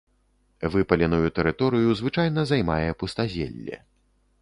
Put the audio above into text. Выпаленую тэрыторыю звычайна займае пустазелле.